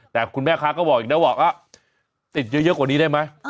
แต่คุณแม่ค้าก็บอกอีกนะบอกว่าติดเยอะกว่านี้ได้ไหม